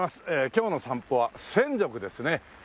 今日の散歩は洗足ですね。